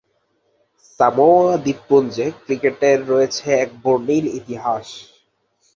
Samoa দ্বীপপুঞ্জে ক্রিকেটের রয়েছে এক বর্ণিল ইতিহাস।